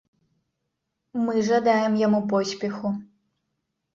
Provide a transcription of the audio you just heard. Мы жадаем яму поспеху.